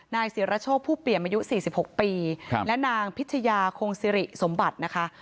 นายศิรโชคผู้เปี่ยมอายุ๔๖ปีและนางพิชยาคงสิริสมบัตินะคะ